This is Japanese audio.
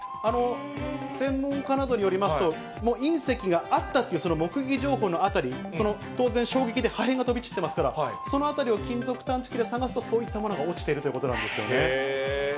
専門家などによりますと、隕石があったというその目撃情報のあたり、その当然、衝撃で破片が飛び散ってますから、その辺りを金属探知機で探すと、そういったものが落ちているということなんですよね。